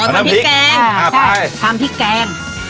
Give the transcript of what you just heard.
ทำพริกแกงทำพริกแกง